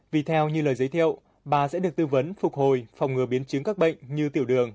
vì theo như lời giới thiệu bà sẽ được tư vấn phục hồi phòng ngừa biến chứng các bệnh như tiểu đường